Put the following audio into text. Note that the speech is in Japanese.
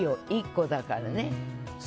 １個だからねって。